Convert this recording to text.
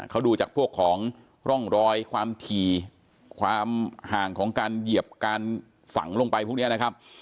เขาดูจากพวกของร่องรอยความถี่ความห่างของการเหยียบการฝังลงไปพวกนี้นะครับ